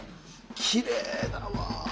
きれいだわ。